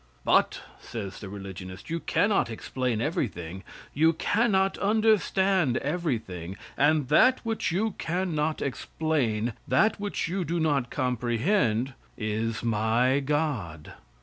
"But," says the religionist "you cannot explain everything; you cannot understand everything; and that which you cannot explain, that which you do not comprehend, is my god."